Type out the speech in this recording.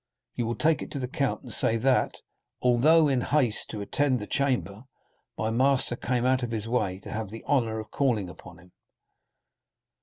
You will take it to the count, and say that, although in haste to attend the Chamber, my master came out of his way to have the honor of calling upon him."